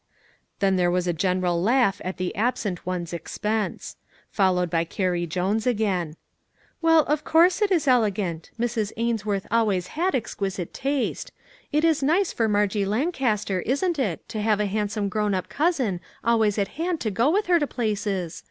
Then there was a general laugh at the absent one's expense. Followed by Carrie Jones again :" Well, of course it is elegant. Mrs. Ains worth always had exquisite taste. It is nice for Margie Lancaster, isn't it, to have a handsome grown up cousin always at hand to go with her to places?